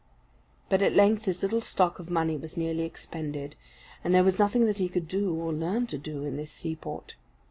But at length his little stock of money was nearly expended, and there was nothing that he could do, or learn to do, in this seaport.